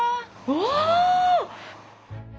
うわ！